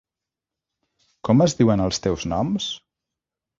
Com es diuen els teus noms?